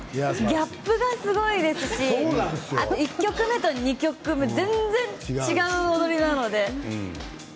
ギャップがすごいですし１曲目と２曲目が全然違う踊りなので。